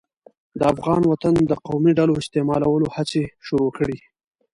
د افغان وطن د قومي ډلو استعمالولو هڅې شروع کړې.